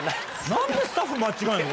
何でスタッフ間違えんの？